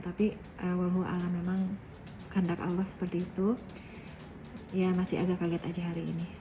tapi walaupun memang kandak allah seperti itu ya masih agak kaget aja hari ini